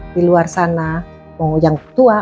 di luar sana mau yang tua